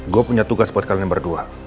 gue punya tugas buat kalian berdua